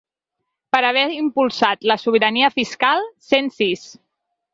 Per haver impulsat la ‘sobirania fiscal’, cent sis.